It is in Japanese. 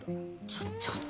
ちょちょっと。